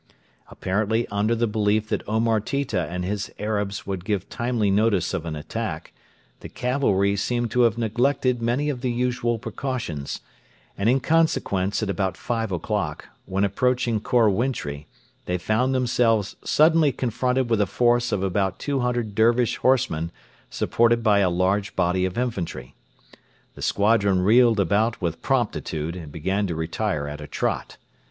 Apparently under the belief that Omar Tita and his Arabs would give timely notice of an attack, the cavalry seem to have neglected many of the usual precautions, and in consequence at about five o'clock, when approaching Khor Wintri, they found themselves suddenly confronted with a force of about 200 Dervish horsemen supported by a large body of infantry. The squadron wheeled about with promptitude, and began to retire at a trot.